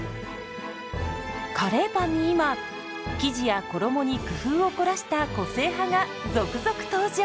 カレーパンに今生地や衣に工夫を凝らした個性派が続々登場！